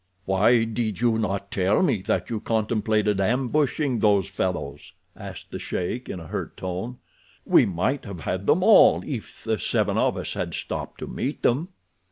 "Why did you not tell me that you contemplated ambushing those fellows?" asked the sheik in a hurt tone. "We might have had them all if the seven of us had stopped to meet them."